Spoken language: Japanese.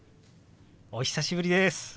お久しぶりです！